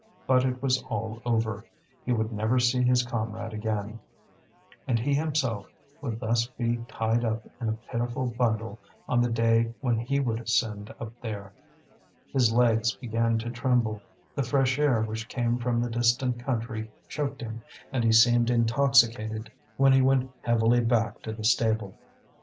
But it was all over; he would never see his comrade again, and he himself would thus be tied up in a pitiful bundle on the day when he would ascend up there. His legs began to tremble, the fresh air which came from the distant country choked him, and he seemed intoxicated when he went heavily back to the stable.